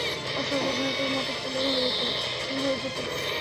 ফসলটা যেন তোর মতো ফুল হয়ে ফুটে।